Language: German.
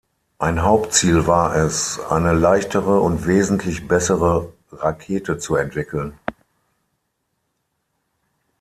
Ein Hauptziel war es, eine leichtere und wesentlich bessere Rakete zu entwickeln.